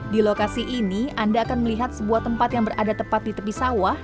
di lokasi ini anda akan melihat sebuah tempat yang berada tepat di tepi sawah